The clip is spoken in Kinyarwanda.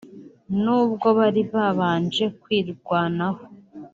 nubwo bari babanje kwirwanaho